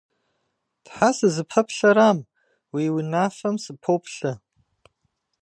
Тхьэ, сызыпэплъэрам, уи унафэм сыпоплъэ.